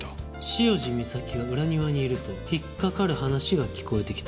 潮路岬が裏庭にいると引っかかる話が聞こえてきた。